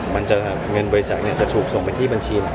มันจะมีเงินบริจักษ์นี้จะถูกส่งไปบริษัทบัญชีไหน